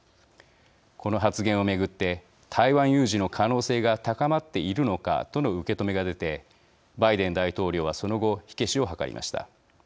この発言を巡って台湾有事の可能性が高まっているのかとの受け止めが出てバイデン大統領はその後、火消しを図りました。